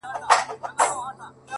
• اه او اوف وي نور نو سړی نه پوهیږي -